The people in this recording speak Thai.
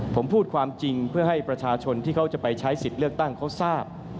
ผมพูดความจริงเพื่อให้ประชาชนที่เขาจะไปใช้สิทธิ์เลือกตั้งเขาทราบ